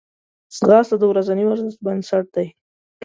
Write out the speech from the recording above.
ځغاسته د ورځني ورزش بنسټ دی